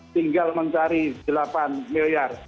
tinggal mencari delapan miliar